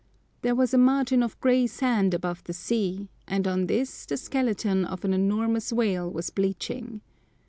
There was a margin of grey sand above the sea, and on this the skeleton of an enormous whale was bleaching.